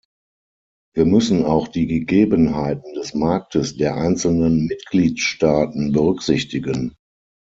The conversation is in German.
Wir müssen auch die Gegebenheiten des Marktes der einzelnen Mitgliedstaaten berücksichtigen.